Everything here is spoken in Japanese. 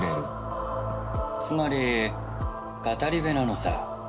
つまり語り部なのさ。